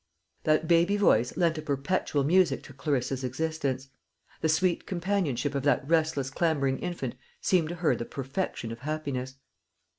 That baby voice lent a perpetual music to Clarissa's existence; the sweet companionship of that restless clambering infant seemed to her the perfection of happiness.